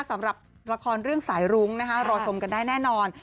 สำหรับละครเรื่องสายรุ้งนะคะรอชมกันได้แน่นอน